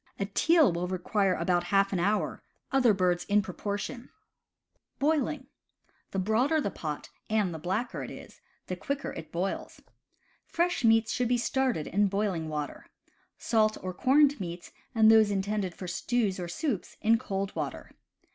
A teal will require about half an hour; other birds in proportion. CAMP COOKERY 139 The broader the pot, and the blacker it is, the quicker it boils. Fresh meats should be started in boiling . water; salt or corned meats, and those intended for stews or soups in cold water.